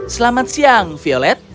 selamat siang violet